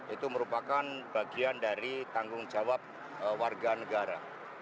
itu merupakan bagian dari tanggung jawab warga negara